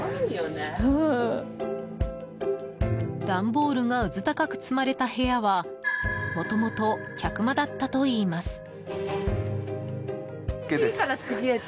ダンボールがうず高く積まれた部屋はもともと客間だったといいます。